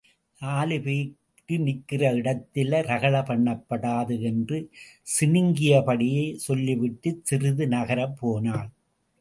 நாலுபேரு நிக்கிற இடத்துல ரகள பண்ணப்படாது. என்று சிணுங்கிய படியே சொல்லிவிட்டுச் சிறிது நகரப் போனாள்.